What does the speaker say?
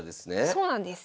そうなんです。